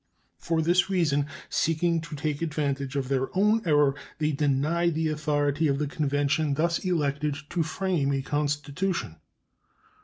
For this reason, seeking to take advantage of their own error, they denied the authority of the convention thus elected to frame a constitution.